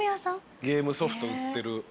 ゲームソフト売ってる。